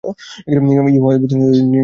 ইউহাওয়া ভীতসন্ত্রস্ত হয়ে নিচের দিকে চলে।